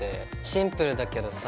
シンプルだけどさ